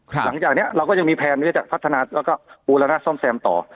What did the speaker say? หลังจากนี้เราก็ยังมีแผนที่จะพัฒนาแล้วก็บูรณะซ่อมแซมต่อ